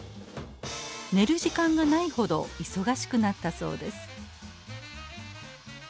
寝る時間がないほど忙しくなったそうです。